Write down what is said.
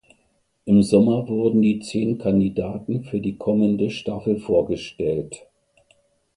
Im Sommer wurden die zehn Kandidaten für die kommende Staffel vorgestellt.